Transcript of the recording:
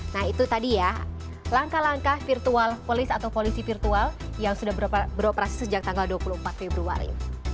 nah itu tadi ya langkah langkah virtual police atau polisi virtual yang sudah beroperasi sejak tanggal dua puluh empat februari